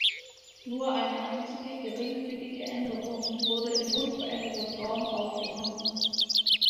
Nur eine einzige geringfügige Änderung wurde in unveränderter Form aufgenommen.